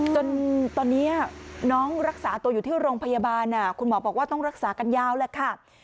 จนตอนนี้น้องรักษาตัวอยู่ที่โรงพยาบาลคุณหมอบอกว่าต้องรักษากันยาวแหละค่ะ